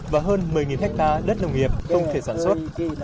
và hơn một mươi hectare đất nông nghiệp không thể sản xuất